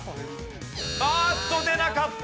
あっと出なかった！